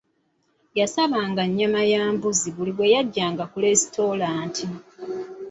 Yasabanga nnyama ya mbuzi buli lwe yajjanga ku lesitulanata.